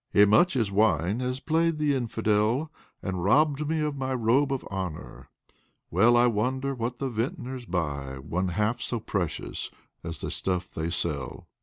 "E' much as wine has played the Infidel, And robbed me of my robe of Honor well, I wonder what the Vinters buy One half so precious as the stuff they sell."